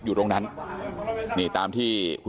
เป็นมีดปลายแหลมยาวประมาณ๑ฟุตนะฮะที่ใช้ก่อเหตุ